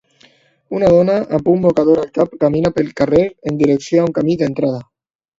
Una dona amb un mocador al cap camina pel carrer en direcció a un camí d'entrada.